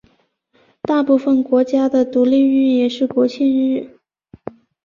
大部分国家的独立日也是国庆日。